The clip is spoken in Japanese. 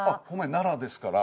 奈良ですから。